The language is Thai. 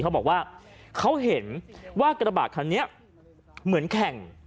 เขาบอกว่าเขาเห็นว่ากระบาดคันนี้เหมือนแข่ง